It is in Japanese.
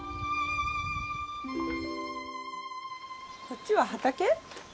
こっちは畑？